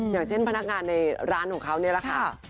อย่างเช่นพนักงานในร้านของเขานี่แหละค่ะ